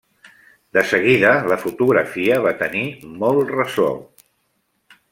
De seguida la fotografia va tenir molt ressò.